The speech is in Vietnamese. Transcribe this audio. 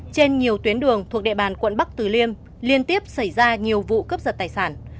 trên nhiều tuyến đường thuộc địa bàn quận bắc tử liêm liên tiếp xảy ra nhiều vụ cướp giật tài sản